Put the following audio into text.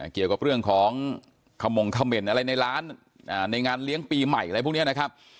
เกี่ยวกับเรื่องของขมงเขม่นอะไรในร้านในงานเลี้ยงปีใหม่อะไรพวกนี้นะครับ